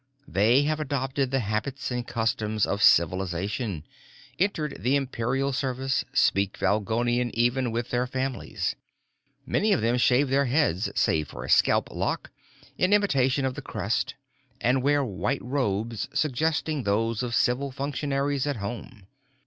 They have adopted the habits and customs of civilization, entered the Imperial service, speak Valgolian even with their families. Many of them shave their heads save for a scalp lock, in imitation of the crest, and wear white robes suggesting those of civil functionaries at home.